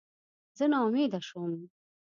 زه ناامیده شوم.